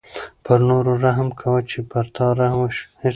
پر نورو رحم کوه چې په تا رحم وشي.